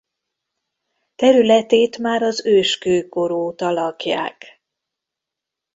Területét már az őskőkor óta lakják.